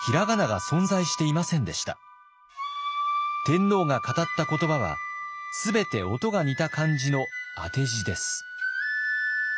天皇が語った言葉は全て音が似た漢字の当て字です。